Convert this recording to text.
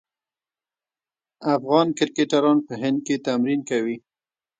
افغان کرکټران په هند کې تمرین کوي.